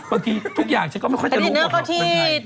พอทีทุกอย่างฉันก็ไม่ค่อยจะรู้ว่าเป็นใคร